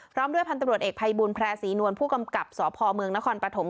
พร้อมด้วยพันธุ์ตำรวจเอกภัยบูลแพร่ศรีนวลผู้กำกับสพเมืองนครปฐม